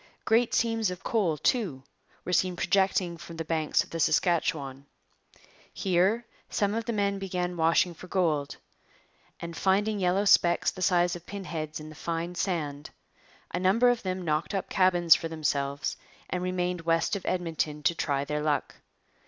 Great seams of coal, too, were seen projecting from the banks of the Saskatchewan. Here some of the men began washing for gold, and, finding yellow specks the size of pin heads in the fine sand, a number of them knocked up cabins for themselves and remained west of Edmonton to try their luck.